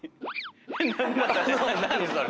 何それ？